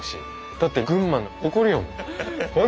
だって群馬の誇りやもん。